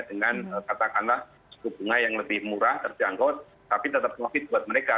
dengan katakanlah suku bunga yang lebih murah terjangkau tapi tetap profit buat mereka